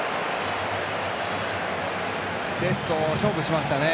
デスト、勝負しましたね。